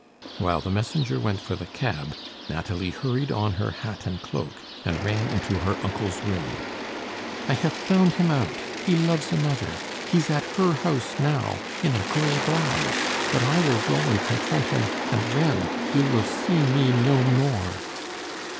While the messenger went for the cab, Nathalie hurried on her hat and cloak, and ran into her uncle's room. "I have found him out he loves another. He's at her house now, in a gray blouse. But I will go and confront him, and then you will see me no more."